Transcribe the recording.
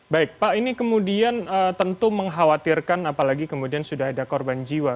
baik pak ini kemudian tentu mengkhawatirkan apalagi kemudian sudah ada korban jiwa